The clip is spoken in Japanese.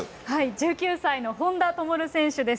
１９歳の本多灯選手です。